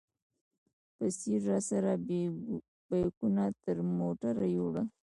بصیر راسره بیکونه تر موټره یوړل.